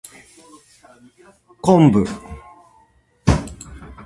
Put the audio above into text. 昆布